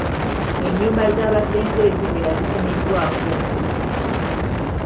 Ennyumba z'abasenze eziwera zikumiddwako omuliro.